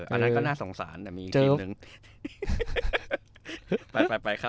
อันนั้นก็น่าสงสารแต่มีอีกคลิปหนึ่ง